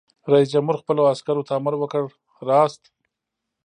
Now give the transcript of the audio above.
رئیس جمهور خپلو عسکرو ته امر وکړ؛ راست!